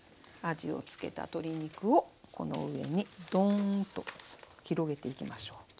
味を付けた鶏肉をこの上にドーンと広げていきましょう。